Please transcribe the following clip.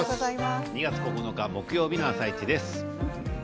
２月９日木曜日の「あさイチ」です。